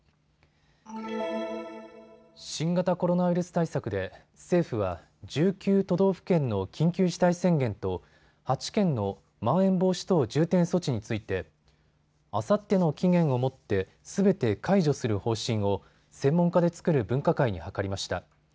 新型コロナウイルス対策で政府は１９都道府県の緊急事態宣言と８県のまん延防止等重点措置についてあさっての期限をもってすべて解除する方針を専門家で作る分科会に諮りました。